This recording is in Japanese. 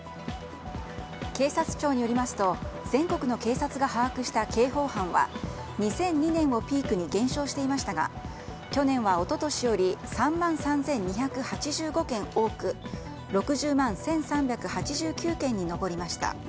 警察庁によりますと全国の警察が把握した刑法犯は２００２年をピークに減少していましたが去年は一昨年より３万３２８５件多く６０万１３８９件に上りました。